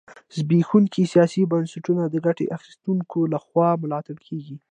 زبېښونکي سیاسي بنسټونه د ګټه اخیستونکو لخوا ملاتړ کېږي.